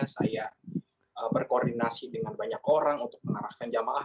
saya berkoordinasi dengan banyak orang untuk mengarahkan jamaah